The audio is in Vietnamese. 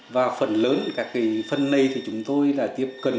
và phần lớn phần này thì chúng tôi là tiếp cận